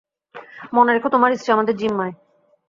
মনে রেখ, তোমার স্ত্রী আমাদের জিম্মায়।